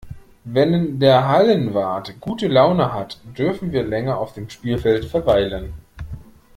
Wenn der Hallenwart gute Laune hat, dürfen wir länger auf dem Spielfeld verweilen.